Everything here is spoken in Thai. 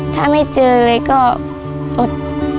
ถ้าไม่เจอเลยก็อด